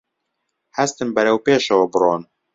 هەستن بەرەو پێشەوە بڕۆن